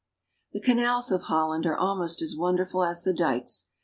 The canals of Holland are almost as wonderful as the dikes.